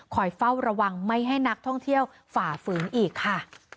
เฝ้าระวังไม่ให้นักท่องเที่ยวฝ่าฝืนอีกค่ะ